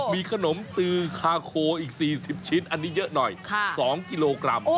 มีขนมตือคาโคอีก๔๐ชิ้นอันนี้เยอะหน่อย๒กิโลกรัม